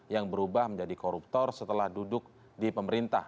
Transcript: yang berubah menjadi koruptor setelah duduk di pemerintah